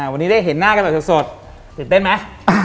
วันนี้ได้เห็นหน้ากันแบบสดตื่นเต้นไหม